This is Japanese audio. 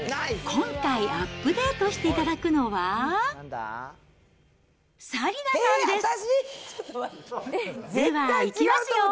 今回アップデートしていただくのは、紗理奈さんです。